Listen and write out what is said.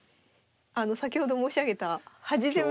先ほど申し上げた端攻め。